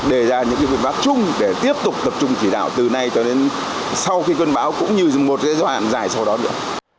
đề ra những biện pháp chung để tiếp tục tập trung chỉ đạo từ nay cho đến sau khi cơn bão cũng như một giai đoạn dài sau đó nữa